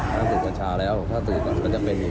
ถ้าถือก่อนช้าแล้วถ้าถือก็จะเป็นอีก